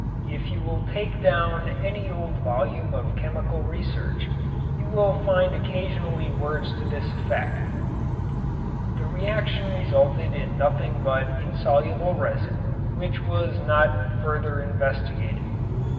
If you will take down any old volume of chemical research you will find occasionally words to this effect: "The reaction resulted in nothing but an insoluble resin which was not further investigated."